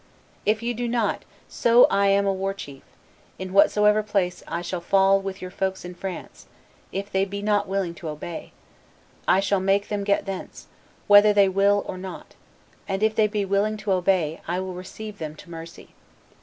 If you do not so I am a war chief; in whatsoever place I shall fall in with your folks in France, if they be not willing to obey, I shall make them get thence, whether they will or not; and if they be willing to obey, I will receive them to mercy.